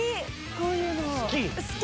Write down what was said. こういうの好き？